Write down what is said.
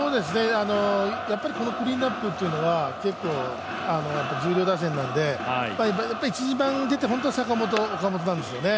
やっぱりこのクリーンナップっていうのは重量打線なので、１、２番打てて坂本、岡本なんですよね。